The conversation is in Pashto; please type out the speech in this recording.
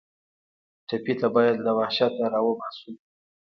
ټپي ته باید له وحشته راوباسو.